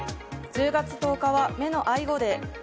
１０月１０日は目の愛護デー。